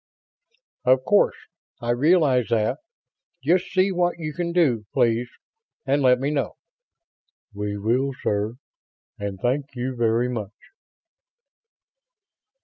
"Of course. I realize that. Just see what you can do, please, and let me know." "We will, sir, and thank you very much."